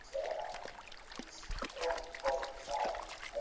স্নান না করিয়া ও শরীর মন শুদ্ধ না করিয়া এ-ঘরে প্রবেশ করিও না।